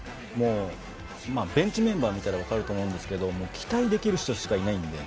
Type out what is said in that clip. まあベンチメンバーを見たら分かると思うんですけど期待できる人しかいないんで。